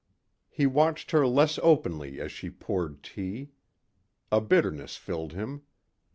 He watched her less openly as she poured tea. A bitterness filled him.